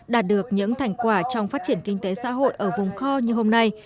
đạt được những thành quả trong phát triển kinh tế xã hội ở vùng kho như hôm nay